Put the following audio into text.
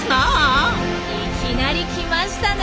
いきなり来ましたね